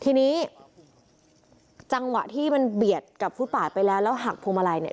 ทีนี้จังหวะที่มันเบียดกับฟุตบาทไปแล้วแล้วหักพวงมาลัยเนี่ย